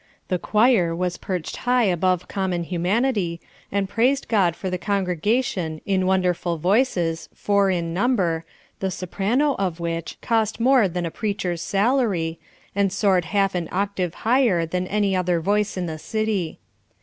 The choir was perched high above common humanity, and praised God for the congregation in wonderful voices, four in number, the soprano of which cost more than a preacher's salary, and soared half an octave higher than any other voice in the city.